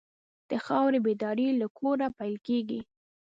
د خاورې بیداري له کوره پیل کېږي.